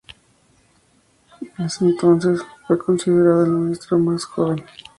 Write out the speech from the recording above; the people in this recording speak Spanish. En ese entonces fue considerado el ministro más joven.